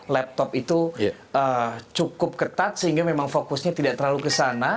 laptop itu cukup ketat sehingga memang fokusnya tidak terlalu ke sana